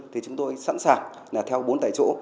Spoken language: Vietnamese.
thì chúng tôi sẵn sàng là theo bốn tại chỗ